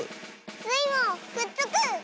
スイもくっつく！